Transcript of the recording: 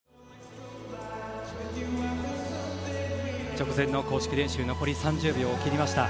直前の公式練習残り３０秒を切りました。